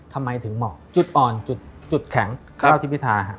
ทำไมถึงเหมาะจุดอ่อนจุดแข็งเท่าที่พิธาฮะ